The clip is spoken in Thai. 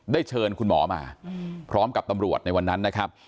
เชิญคุณหมอมาพร้อมกับตำรวจในวันนั้นนะครับ